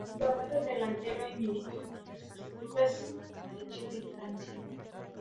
Jugaba de delantero y militó en diversos clubes de Chile y Francia.